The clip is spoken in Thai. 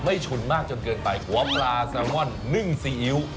ฉุนมากจนเกินไปหัวปลาแซลมอนนึ่งซีอิ๊ว